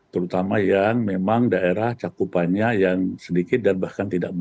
terutama yang memang daerah cakupannya yang sedikit dan bahkan tidak bertambah